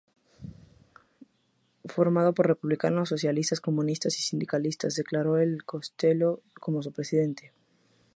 Formado por republicanos, socialistas, comunistas y sindicalistas, declaró a Costello como su presidente.